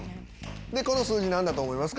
「この数字何だと思いますか？